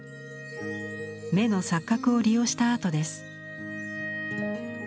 目の錯覚を利用したアートです。